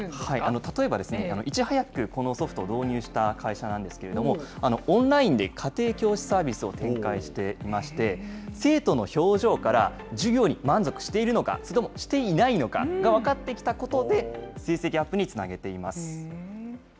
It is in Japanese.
例えば、いち早くこのソフトを導入した会社なんですけれども、オンラインで家庭教師サービスを展開していまして、生徒の表情から、授業に満足しているのか、それともしていないのかが分かってきたことで、成績アップにつなげています。